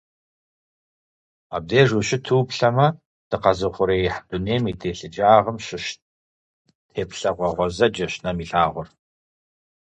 Абдеж ущыту уплъэмэ, дыкъэзыухъуреихь дунейм и телъыджагъым щыщ теплъэгъуэ гъуэзэджэщ нэм илъагъур.